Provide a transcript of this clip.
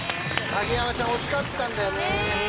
影山ちゃん惜しかったんだよね。